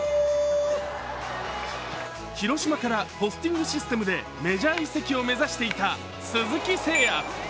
広島からポスティングシステムでメジャー移籍を目指していた鈴木誠也。